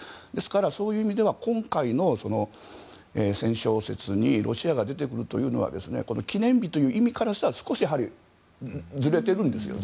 そういう意味では今回の戦勝節にロシアが出てくるというのは記念日という意味からしたら少しずれてるんです。